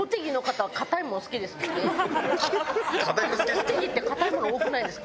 栃木って硬いもの多くないですか？